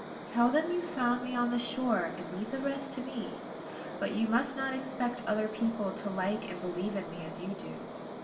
"Tell them you found me on the shore; and leave the rest to me. But you must not expect other people to like and believe in me as you do.